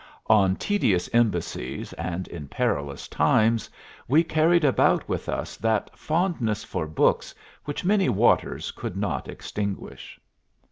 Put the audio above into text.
On tedious embassies and in perilous times, we carried about with us that fondness for books which many waters could not extinguish."